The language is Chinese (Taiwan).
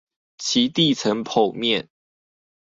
其地層剖面